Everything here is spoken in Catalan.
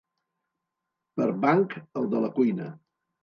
Per banc, el de la cuina.